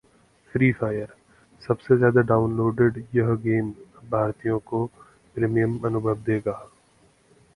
Free Fire: सबसे ज्यादा downloaded यह गेम अब भारतीयों को प्रीमियम अनुभव देगा